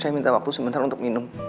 saya minta waktu sebentar untuk minum